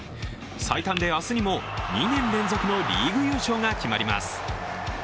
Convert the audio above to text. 最短で明日にも２年連続のリーグ優勝が決まります。